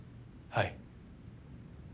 はい。